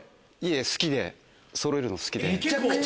好きでそろえるの好きで。